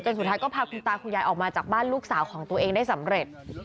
สุดท้ายก็พาคุณตาคุณยายออกมาจากบ้านลูกสาวของตัวเองได้สำเร็จ